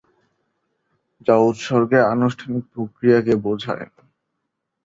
যা উৎসর্গের আনুষ্ঠানিক প্রক্রিয়াকে বোঝায়।